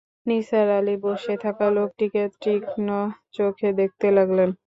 নিসার আলি বসে-থাকা লোকটিকে তীক্ষ্ণ চোখে দেখতে লাগলেন।